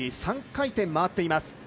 ３回転回っています。